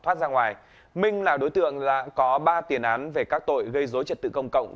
thoát ra ngoài minh là đối tượng có ba tiền án về các tội gây dối trật tự công cộng